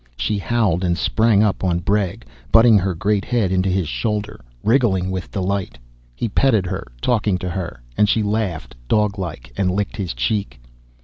She howled and sprang up on Bregg, butting her great head into his shoulder, wriggling with delight. He petted her, talking to her, and she laughed doglike and licked his cheek.